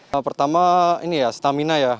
ya pertama ini ya stamina ya